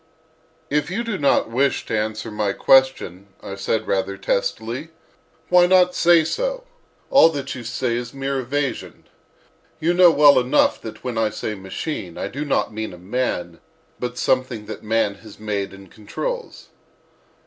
"If you do not wish to answer my question," I said, rather testily, "why not say so?—all that you say is mere evasion. You know well enough that when I say 'machine' I do not mean a man, but something that man has made and controls."